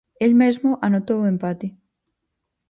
El mesmo anotou o empate.